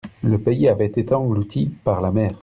le pays avait été englouti par la mer.